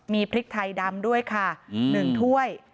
มีพริกไทยดำด้วยค่ะ๑ถ้วย